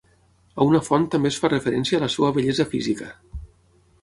A una font també es fa referència a la seva bellesa física.